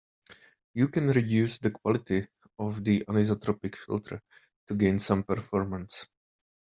You can reduce the quality of the anisotropic filter to gain some performance.